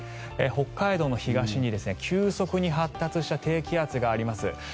北海道の東に急速に発達した低気圧があります。